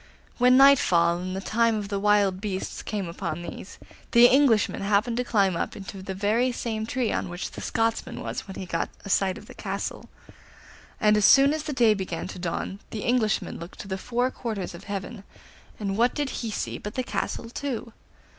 When nightfall and the time of the wild beasts came upon these, the Englishman happened to climb up into the very same tree on which the Scotsman was when he got a sight of the castle; and as soon as the day began to dawn and the Englishman looked to the four quarters of heaven, what did he see but the castle too!